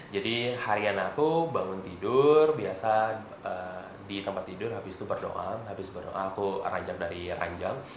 jadi harian aku bangun tidur biasa di tempat tidur habis itu berdoa aku ranjang dari ranjang